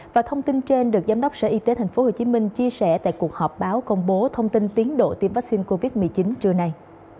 và thông tin trên được giám đốc sở y tế tp hcm chia sẻ tại cuộc họp báo công bố thông tin tiến độ tiêm vaccine covid một mươi chín trưa nay